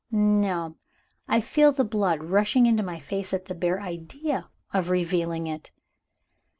No: I feel the blood rushing into my face at the bare idea of revealing it.